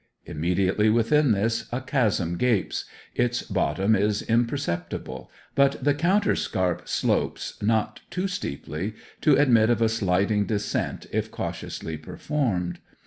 Immediately within this a chasm gapes; its bottom is imperceptible, but the counterscarp slopes not too steeply to admit of a sliding descent if cautiously performed.